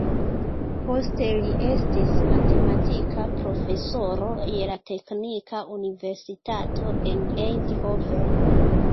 Poste li estis matematika profesoro je la teknika universitato en Eindhoven.